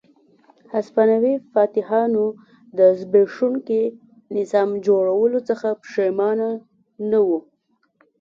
هسپانوي فاتحانو د زبېښونکي نظام جوړولو څخه پښېمانه نه وو.